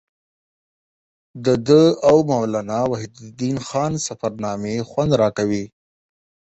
د ده او مولانا وحیدالدین خان سفرنامې خوند راکوي.